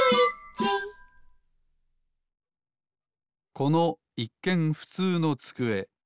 このいっけんふつうのつくえ。